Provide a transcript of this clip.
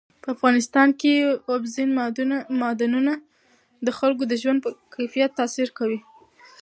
په افغانستان کې اوبزین معدنونه د خلکو د ژوند په کیفیت تاثیر کوي.